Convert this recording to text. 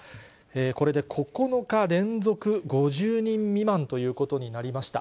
これで９日連続５０人未満ということになりました。